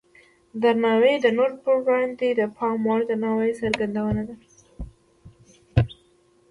درناوی د نورو په وړاندې د پام وړ درناوي څرګندونه ده.